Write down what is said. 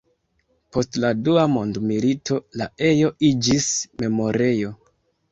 Post la dua mondmilito la ejo iĝis memorejo.